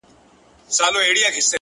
پوه انسان د بدلون هرکلی کوي؛